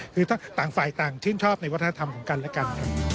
คือต่างฝ่ายต่างชื่นชอบในวัฒนธรรมของกันและกัน